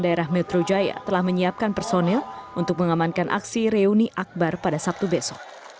daerah metro jaya telah menyiapkan personil untuk mengamankan aksi reuni akbar pada sabtu besok